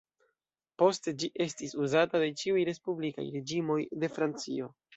Poste ĝi estis uzata de ĉiuj respublikaj reĝimoj de Francio.